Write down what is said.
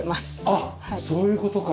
あっそういう事か。